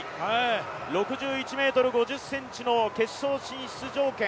６１ｍ５０ｃｍの決勝進出条件。